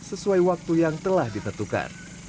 sesuai waktu yang telah ditentukan